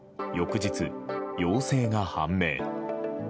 翌日、陽性が判明。